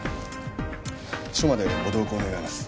署までご同行願います。